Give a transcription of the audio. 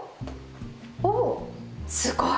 おぉすごい。